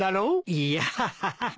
いや。ハハハ！